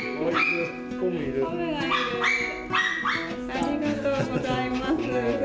ありがとうございます。